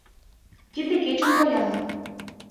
Тиде кечын поянын